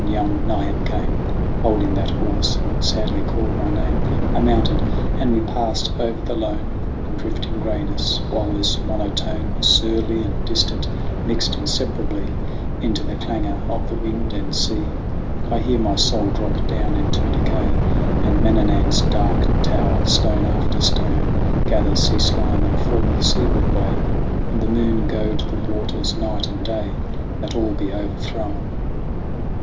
Young Niamh came Holding that horse, and sadly called my name; 116 THE WANDERINGS OF OISIN I mounted, and we passed over the lone And drifting grayness, while this monotone, Surly and distant, mixed inseparably Into the clangour of the wind and sea. "I hear my soul drop down into decay, And Mananan's dark tower, stone by stone, Gather sea slime and fall the seaward way, And the moon goad the waters night and day, That all be overthrown.